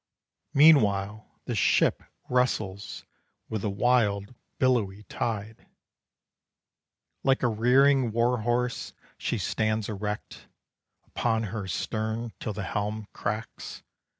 Meanwhile the ship wrestles With the wild billowy tide. Like a rearing war horse she stands erect, Upon her stern, till the helm cracks.